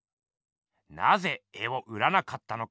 なぜ絵を売らなかったのか？